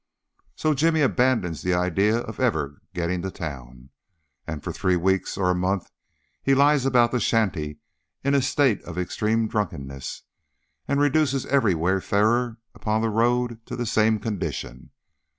So Jimmy abandons the idea of ever getting to town, and for three weeks or a month he lies about the shanty in a state of extreme drunkenness, and reduces every wayfarer upon the road to the same condition.